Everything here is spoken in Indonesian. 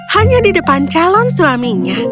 hanya di depan calon suaminya